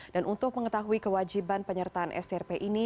dan untuk mengetahui kewajiban penyertaan strp ini